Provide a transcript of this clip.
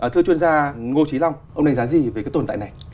thưa chuyên gia ngô trí long ông đánh giá gì về cái tồn tại này